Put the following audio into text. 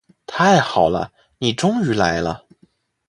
太好了，你终于来了。